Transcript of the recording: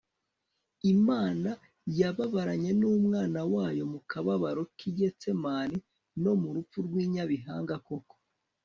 Imana yababaranye nUmwana wayo mu kababaro ki Cetsemam no mu rupfu rw i Nyabihanga Koko